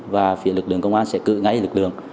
và phía lực lượng công an sẽ cử ngay lực lượng